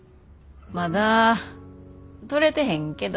まだ取れてへんけど。